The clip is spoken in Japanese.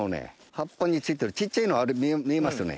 葉っぱに付いてる小っちゃいのが見えますよね。